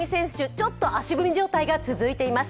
ちょっと足踏み状態が続いています。